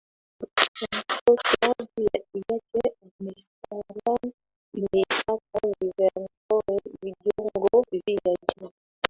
ambapo klabu ya iyak armsterdam imeitaka liverpool vijogoo vya jiji